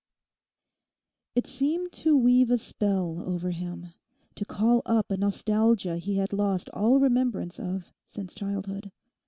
It seemed to weave a spell over him, to call up a nostalgia he had lost all remembrance of since childhood.